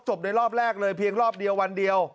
ในรอบแรกเลยเพียงรอบเดียววันเดียว